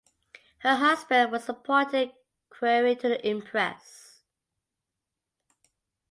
Her husband was appointed equerry to the Empress.